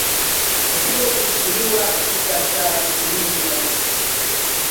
vipimo vilichukuliwa katika saa ishirini na nne